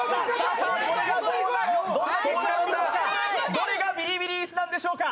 どれがビリビリ椅子なんでしょうか。